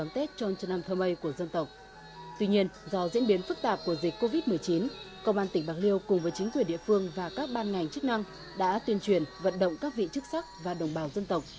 tuy nhiên do diễn biến phức tạp của dịch covid một mươi chín công an tỉnh bạc liêu cùng với chính quyền địa phương và các ban ngành chức năng đã tuyên truyền vận động các vị chức sắc và đồng bào dân tộc